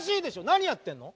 何やってんの？